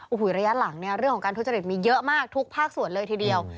โอ้โหระยะหลังเนี่ยเรื่องของการทุจริตมีเยอะมากทุกภาคส่วนเลยทีเดียว